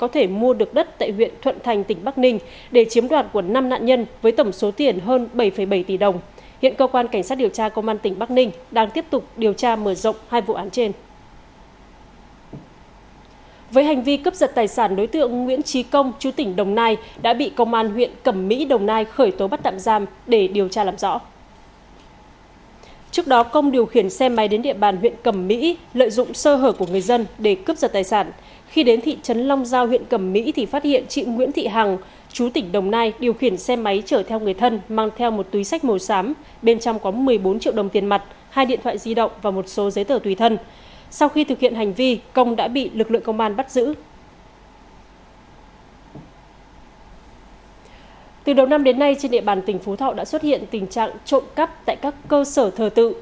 từ đầu năm đến nay trên địa bàn tỉnh phú thọ đã xuất hiện tình trạng trộm cắp tại các cơ sở thờ tự